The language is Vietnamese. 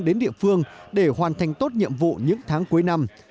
đến địa phương để hoàn thành tốt nhiệm vụ những tháng cuối năm